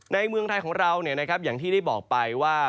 เมืองไทยของเราอย่างที่ได้บอกไปว่า